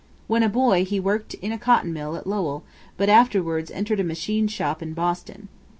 When a boy he worked in a cotton mill at Lowell, but afterwards entered a machine shop in Boston.